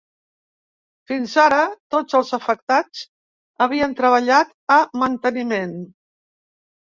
Fins ara tots els afectats havien treballat a manteniment.